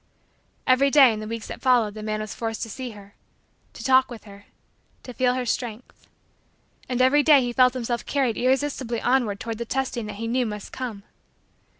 Every day, in the weeks that followed, the man was forced to see her to talk with her to feel her strength. And every day he felt himself carried irresistibly onward toward the testing that he knew must come.